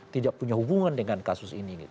tidak punya hubungan dengan kasus ini